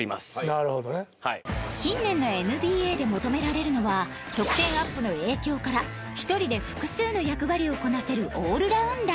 近年の ＮＢＡ で求められるのは得点アップの影響から一人で複数の役割をこなせるオールラウンダー